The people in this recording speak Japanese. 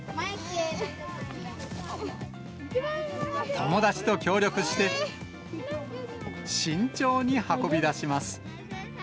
友達と協力して、慎重に運び出します。